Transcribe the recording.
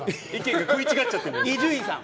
伊集院さん